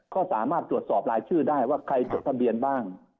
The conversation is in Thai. ก็สามารถตรวจสอบรายชื่อได้ว่าใครจดทะเบียนบ้าง